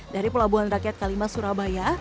dari pelabuhan rakyat kalimah surabaya